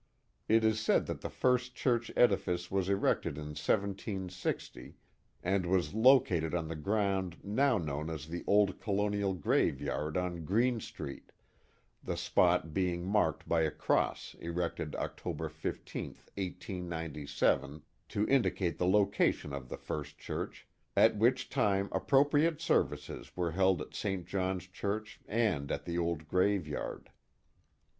It is said that the first church edifice was erected in 1760, and was located on the ground now known as the old colonial graveyard on Green Street, the spot being marked by a cross erected October 15, 1897, to indicate the location of the first church, at which time appropriate ser vices were held at St. John's Church and at the old graveyard.